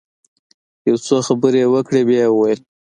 يو څو خبرې يې وکړې بيا يې وويل.